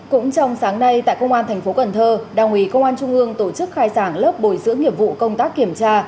cũng trong sáng nay tại công an tp cn đảng ủy công an trung ương tổ chức khai giảng lớp bồi dưỡng nghiệp vụ công tác kiểm tra